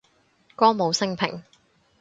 歌舞昇平